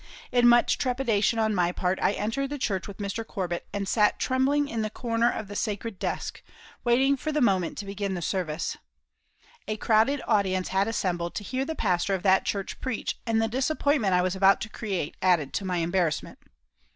In much trepidation on my part I entered the church with Mr. Corbit, and sat trembling in the corner of the "sacred desk," waiting for the moment to begin the service. A crowded audience had assembled to hear the pastor of that church preach, and the disappointment I was about to create added to my embarrassment.